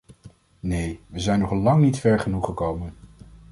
Nee, we zijn nog lang niet ver genoeg gekomen.